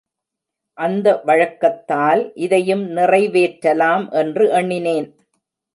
அந்த வழக்கத்தால், இதையும் நிறைவேற்றலாம் என்று எண்ணினேன்.